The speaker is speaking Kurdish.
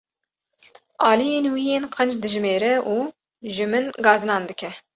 Aliyên wî yên qenc dijmêre û ji min gazinan dike.